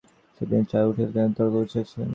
সেদিন চায়ের টেবিলে খুব একটা তর্ক উঠিয়াছিল।